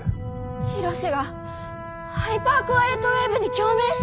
緋炉詩がハイパークワイエットウェーブに共鳴している。